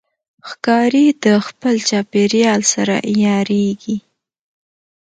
ښکاري د خپل چاپېریال سره عیارېږي.